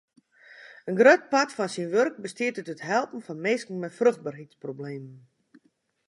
In grut part fan syn wurk bestiet út it helpen fan minsken mei fruchtberheidsproblemen.